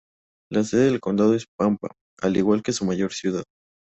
La sede del condado es Pampa, al igual que su mayor ciudad.